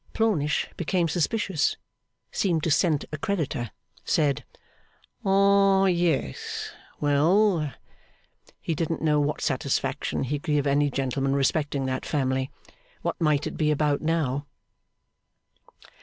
Plornish became suspicious. Seemed to scent a creditor. Said, 'Ah, yes. Well. He didn't know what satisfaction he could give any gentleman, respecting that family. What might it be about, now?